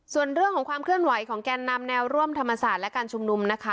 ส่วนเรื่องของความเคลื่อนไหวของแกนนำแนวร่วมธรรมศาสตร์และการชุมนุมนะคะ